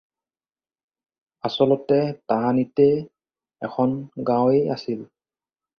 আচলতে তাহানিতে এখন গাঁৱেই আছিল।